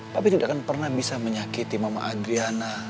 tapi tidak akan pernah bisa menyakiti mama adriana